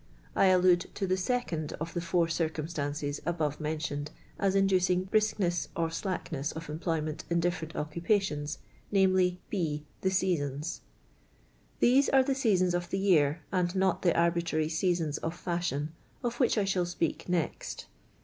I allude to the f ronU of the four circumstances above mentioned as inducing briskness or hlackiicss of employment in different occupations, viz. :— B. The seasons. These are the seasons of the year, and not the arbitrary seasons of fashion, of which I shall spe.ik next.